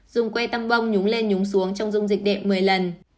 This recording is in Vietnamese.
dùng quê tăm bông nhúng lên nhúng xuống trong dung dịch đệm một mươi lần